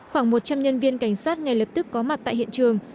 khoảng một trăm linh nhân viên cảnh sát ngay lập tức có mặt tại hiện trường